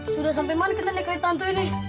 sudah sampai mana kita nekri tantu ini